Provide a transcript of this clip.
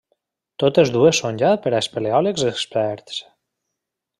Totes dues són ja per a espeleòlegs experts.